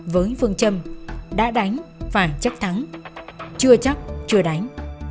với phương châm đã đánh phải chắc thắng chưa chắc chưa đánh